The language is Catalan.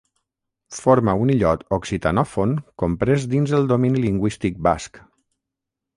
Forma un illot occitanòfon comprès dins el domini lingüístic basc.